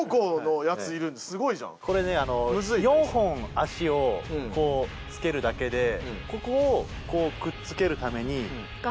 これね４本足をこうつけるだけでここをこうくっつけるために。